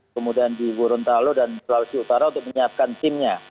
kemudian di gorontalo dan sulawesi utara untuk menyiapkan timnya